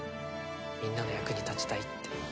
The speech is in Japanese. みんなの役に立ちたいって。